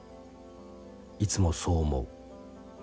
いつもそう思う。